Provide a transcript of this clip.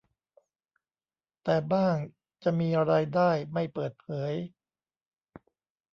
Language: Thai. แต่บ้างจะมีรายได้ไม่เปิดเผย